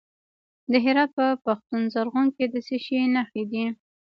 د هرات په پښتون زرغون کې د څه شي نښې دي؟